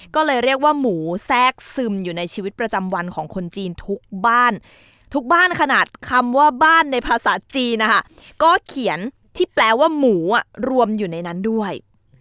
ก็เลยเรียกว่าหมูแทรกซึมอยู่ในชีวิตประจำวันของคนจีนทุกบ้านทุกบ้านขนาดคำว่าบ้านในภาษาจีนนะคะก็เขียนที่แปลว่าหมูรวมอยู่ในนั้นด้วย